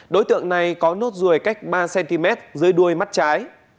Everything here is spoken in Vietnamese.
đối tượng này có nốt ruồi cách ba cm dưới đuôi mắt trái